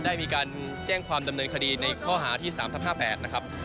ได้มีการแจ้งความดำเนินคดีในข้อหาที่๓ทับ๕๘นะครับ